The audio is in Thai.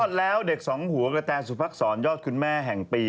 แล้วเด็กสองหัวกระแตสุภักษรยอดคุณแม่แห่งปี